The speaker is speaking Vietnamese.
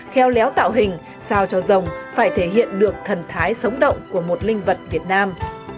kheo léo tạo hình sao cho dòng phải thể hiện được thần thái sống động của một linh vật việt nam